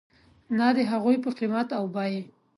نه د هغوی په قیمت او بیې .